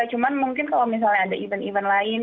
cuman mungkin kalau misalnya ada event event lain